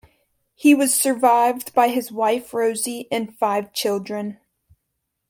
He was survived by his wife Rosie and five children.